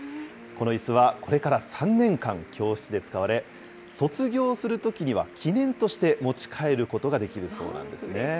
このいすは、これから３年間、教室で使われ、卒業するときには、記念として持ち帰ることができるそうなんですね。